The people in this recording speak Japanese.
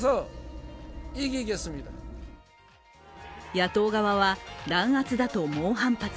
野党側は、弾圧だと猛反発。